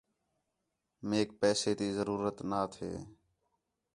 میک پیسے تی ضرورت نا تھے